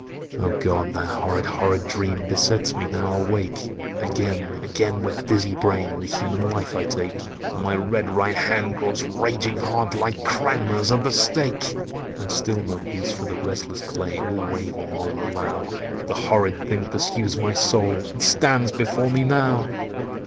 "Oh God! that horrid, horrid dream Besets me now awake! Again—again, with dizzy brain, The human life I take: And my red right hand grows raging hot, Like Cranmer's at the stake. "And still no peace for the restless clay, Will wave or mould allow; The horrid thing pursues my soul— It stands before me now!"